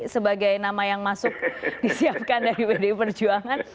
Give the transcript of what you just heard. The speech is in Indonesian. sebagai nama yang masuk disiapkan dari pdi perjuangan